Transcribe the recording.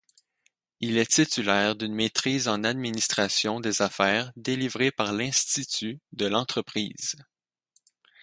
Il est titulaire d'une maîtrise en administration des affaires délivrée par l'Institut de l'Entreprise.